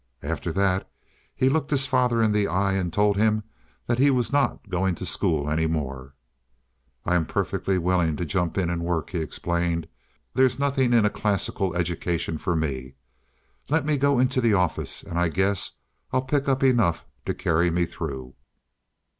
After that he looked his father in the eye and told him that he was not going to school any more. "I'm perfectly willing to jump in and work," he explained. "There's nothing in a classical education for me. Let me go into the office, and I guess I'll pick up enough to carry me through."